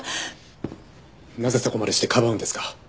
なぜそこまでしてかばうんですか？